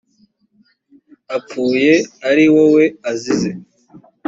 apfuye ari wowe azize